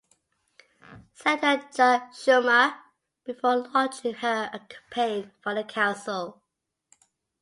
Senator Chuck Schumer before launching her campaign for the Council.